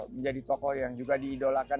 menjadi tokoh yang juga diidolakan